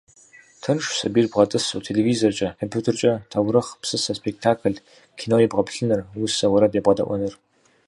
Тыншщ сабийр бгъэтӏысу телевизоркӏэ, компьютеркӏэ таурыхъ, псысэ, спектакль, кино ебгъэплъыныр, усэ, уэрэд ебгъэдэӏуэныр.